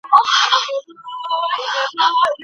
ایا دا دودیز لباس ستاسو په سیمه کې جوړیږي؟